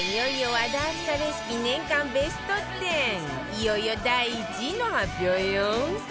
いよいよ第１位の発表よ